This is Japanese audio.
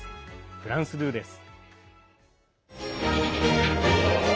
フランス２です。